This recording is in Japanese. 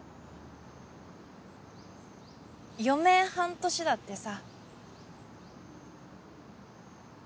余命半年だってさ。